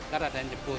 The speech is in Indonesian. karena ada yang jemput